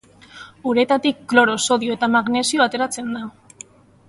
Uretatik kloro, sodio eta magnesio ateratzen da.